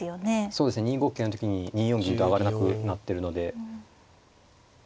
そうですね２五桂の時に２四銀と上がれなくなってるので。